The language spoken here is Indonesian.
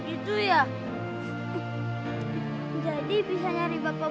itu ya jadi bisa nyari bapak